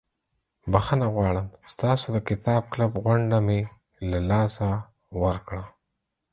بخښنه غواړم ستاسو د کتاب کلب غونډه مې له لاسه ورکړه.